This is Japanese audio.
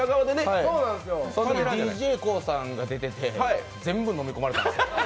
そのときＤＪＫＯＯさんが出ていて、全部飲み込まれたんですよ。